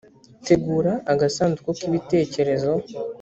tegura agasanduku k ibitekerezo.